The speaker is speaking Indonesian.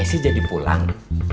esy jadi pulang